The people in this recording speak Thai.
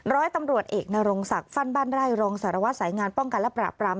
ร้อยตำรวจเอกนรงศักดิ์ฟั่นบ้านไร่รองสารวัตรสายงานป้องกันและปราบปราม